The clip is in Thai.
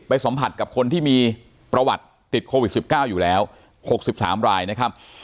สัมผัสกับคนที่มีประวัติติดโควิด๑๙อยู่แล้ว๖๓รายนะครับ